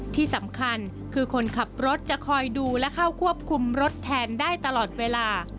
ที่สำคัญคือคนขับรถจะคอยดูและเข้าควบคุมรถแทนได้ตลอดเวลา